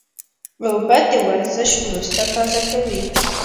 اوبه د ورزش وروسته تازه کوي